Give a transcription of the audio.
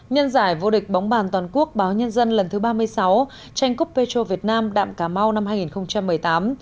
nhân giải vô địch bóng bàn toàn quốc báo nhân dân lần thứ ba mươi sáu tranh cúp petro việt nam đạm cà mau năm hai nghìn một mươi tám